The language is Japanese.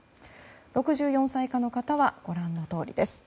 ６４歳以下の方はご覧のとおりです。